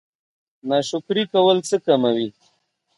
ناشکري کول څه کموي؟